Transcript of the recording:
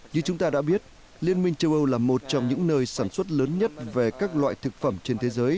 như chúng ta đã biết liên minh châu âu là một trong những nơi sản xuất lớn nhất về các loại thực phẩm trên thế giới